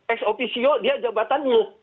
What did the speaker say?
ex officio dia jabatannya